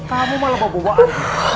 kamu malah bawa buku andin